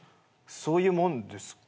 そういうもんですか。